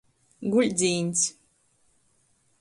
Guļdzīns.